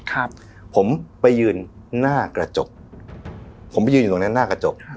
ครับผมไปยืนหน้ากระจกผมไปยืนอยู่ตรงนั้นหน้ากระจกครับ